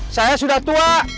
saya sudah tua